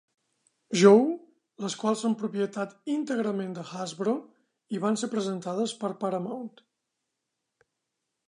Joe les quals són propietat íntegrament de Hasbro y van ser presentades per Paramount.